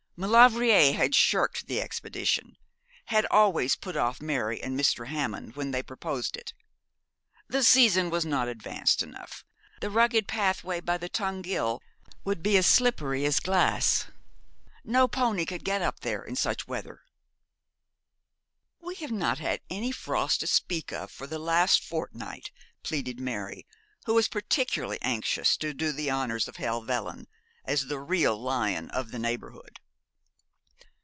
Maulevrier had shirked the expedition, had always put off Mary and Mr. Hammond when they proposed it. The season was not advanced enough the rugged pathway by the Tongue Ghyll would be as slippery as glass no pony could get up there in such weather. 'We have not had any frost to speak of for the last fortnight,' pleaded Mary, who was particularly anxious to do the honours of Helvellyn, as the real lion of the neighbourhood.